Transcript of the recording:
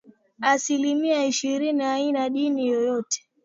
Asilimia ishirini haina dini yoyote